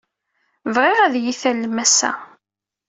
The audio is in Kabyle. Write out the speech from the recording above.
Bɣiɣ ad iyi-tallem ass-a.